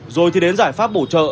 rồi thì đến giải pháp bổ trợ